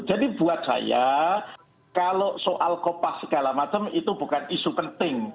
jadi buat saya kalau soal kopas segala macam itu bukan isu penting